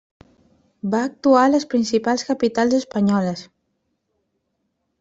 Va actuar a les principals capitals espanyoles.